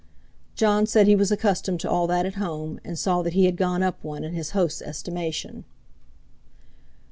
Jon said he was accustomed to all that at home, and saw that he had gone up one in his host's estimation.